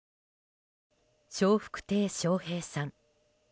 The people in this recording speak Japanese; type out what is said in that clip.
笑福亭笑瓶さん。